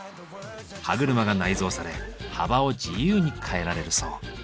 歯車が内蔵され幅を自由に変えられるそう。